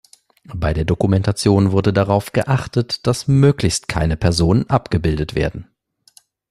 Bei der Dokumentation wurde darauf geachtet, dass möglichst keine Personen abgebildet werden.